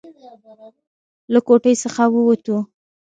له کوټې څخه ووتو.